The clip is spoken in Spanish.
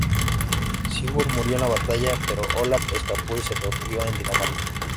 Sigurd murió en la batalla, pero Olav escapó y se refugió en Dinamarca.